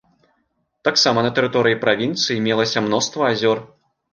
Таксама на тэрыторыі правінцыі мелася мноства азёр.